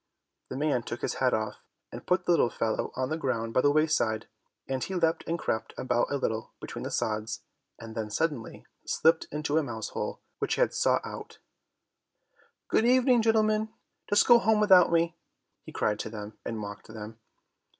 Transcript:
The man took his hat off, and put the little fellow on the ground by the wayside, and he leapt and crept about a little between the sods, and then he suddenly slipped into a mouse hole which he had sought out. "Good evening, gentlemen, just go home without me," he cried to them, and mocked them.